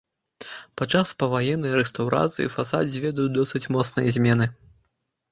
Падчас паваеннай рэстаўрацыі фасад зведаў досыць моцныя змены.